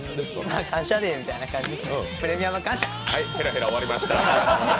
デーみたいな感じで。